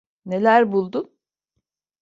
Neler buldun?